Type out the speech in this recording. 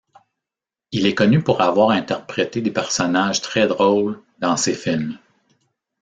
Il est connu pour avoir interprété des personnages très drôles dans ses films.